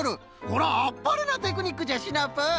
これはあっぱれなテクニックじゃシナプー！